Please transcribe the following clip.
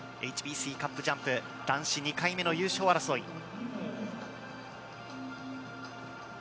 ＨＢＣカップジャンプ男子２回目の優勝争い。